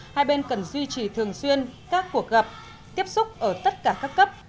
hai bên cần duy trì thường xuyên các cuộc gặp tiếp xúc ở tất cả các cấp